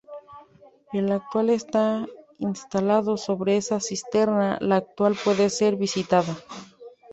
El actual está instalado sobre esa cisterna la cual puede ser visitada.